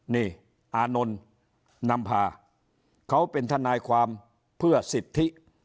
นี่อานนท์นำพาเขาเป็นทนายความเพื่อสิทธิ